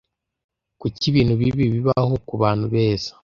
Kuki ibintu bibi bibaho kubantu beza?